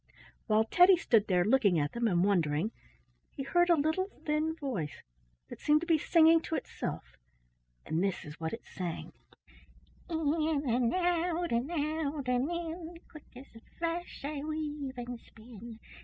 While Teddy stood there looking at them and wondering, he heard a little thin voice, that seemed to be singing to itself, and this is what it sang: "In and out and out and in, Quick as a flash I weave and spin.